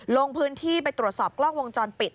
ลงพื้นที่ไปตรวจสอบกล้องวงจรปิด